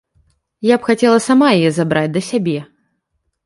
Я б хацела сама яе забраць, да сябе.